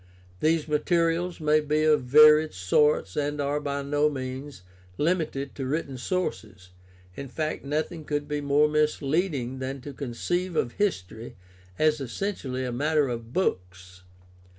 These materials may be of varied sorts and are by no means limited to written sources. In fact, nothing 22 GUIDE TO STUDY OF CHRISTIAN RELIGION could be more misleading than to conceive of history as essen tially a matter of books.